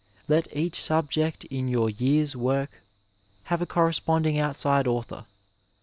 Let each subject in your year's work have a coxieBponding outside author.